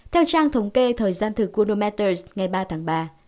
theo trang thống kê thời gian thực quintometres ngày ba tháng ba